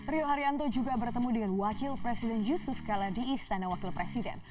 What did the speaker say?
rio haryanto juga bertemu dengan wakil presiden yusuf kala di istana wakil presiden